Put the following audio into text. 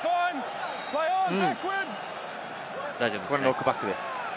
ロックバックです。